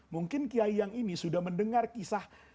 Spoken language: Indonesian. mungkin kiai yang ini sudah mendengar kisah